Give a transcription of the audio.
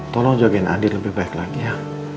tolong jagain andien lebih baik lagi ya